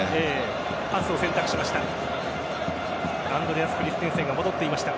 パスを選択しました。